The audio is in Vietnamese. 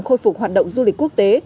khôi phục hoạt động du lịch quốc tế